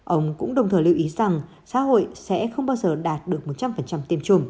ông cũng đồng thời lưu ý rằng xã hội sẽ không bao giờ đạt được một trăm linh tiêm chủng